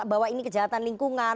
bahwa ini kejahatan lingkungan